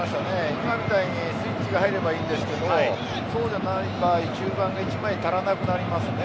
今みたいにスイッチが入ればいいんですがそうじゃない場合中盤が１枚足らなくなりますね。